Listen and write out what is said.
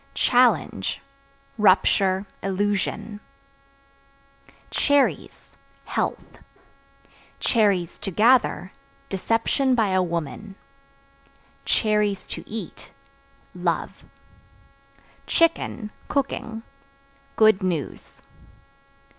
Challenge Rupture, illusion. Cherries Health; (to gather) deception by a woman; (to eat) love. Chicken (Cooking) good news.